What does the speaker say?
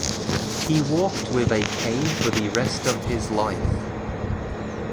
He walked with a cane for the rest of his life.